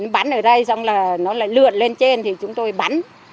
bắn ở đây xong là nó lại lượt lên trên thì chúng tôi bắn